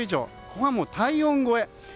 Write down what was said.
ここがもう体温超え。